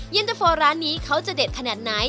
เย็นตะโฟร้านนี้เขาจะเด็ดขนาดไหน